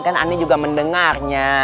kan aneh juga mendengarnya